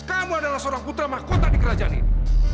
kamu adalah seorang putra mahkota di kerajaan ini